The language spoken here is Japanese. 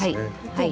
はい。